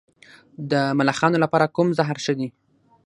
د ملخانو لپاره کوم زهر ښه دي؟